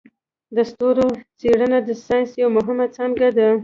د ستورو څیړنه د ساینس یو مهم څانګی دی.